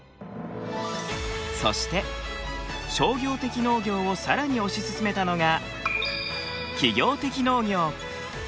そして商業的農業をさらに推し進めたのが企業的農業。